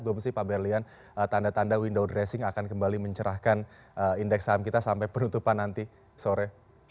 belum sih pak berlian tanda tanda window dressing akan kembali mencerahkan indeks saham kita sampai penutupan nanti sore